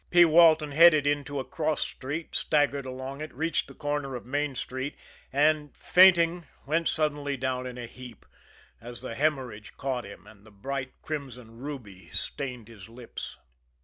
P. Walton headed into a cross street, staggered along it, reached the corner of Main Street and, fainting, went suddenly down in a heap, as the hemorrhage caught him, and the bright, crimson "ruby" stained his lips.